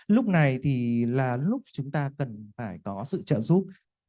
lúc này thì là lúc chúng ta cần phải có sự trợ giúp